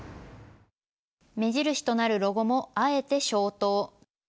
目印となるロゴも、あえて消灯。